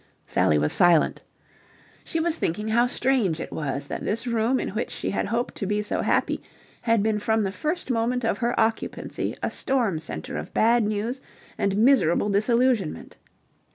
Sally was silent. She was thinking how strange it was that this room in which she had hoped to be so happy had been from the first moment of her occupancy a storm centre of bad news and miserable disillusionment.